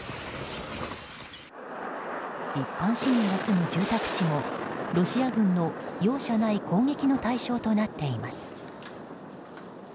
一般市民が住む住宅地もロシア軍の容赦ない攻撃の対象となっています。